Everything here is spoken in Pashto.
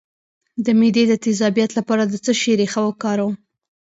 د معدې د تیزابیت لپاره د څه شي ریښه وکاروم؟